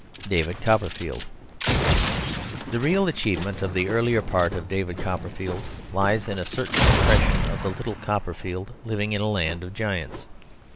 DAVID COPPERFIELD The real achievement of the earlier part of David Copperfield lies in a certain impression of the little Copperfield living in a land of giants.